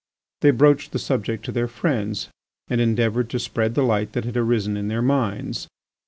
They broached the subject to their friends and endeavoured to spread the light that had arisen in their minds.